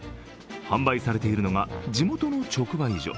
販売されているのが地元の直売所。